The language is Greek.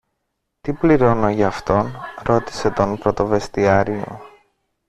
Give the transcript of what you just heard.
Τι πληρώνω γι' αυτόν; ρώτησε τον πρωτοβεστιάριο.